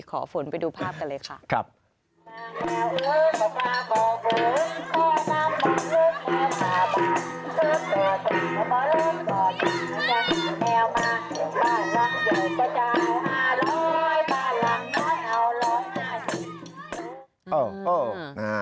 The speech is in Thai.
ขอฝนไปดูภาพกันเลยค่ะครับโอ้โฮ